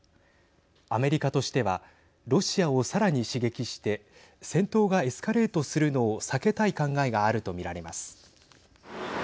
アメリカとしてはロシアをさらに刺激して戦闘がエスカレートするのを避けたい考えがあると見られます。